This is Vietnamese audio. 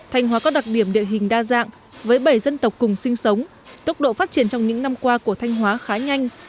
thanh hóa có đặc điểm địa hình đa dạng với bảy dân tộc cùng sinh sống tốc độ phát triển trong những năm qua của thanh hóa khá nhanh